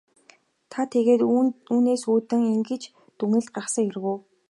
Та тэгээд үүнээс үүдэн ингэж дүгнэлт гаргасан хэрэг үү?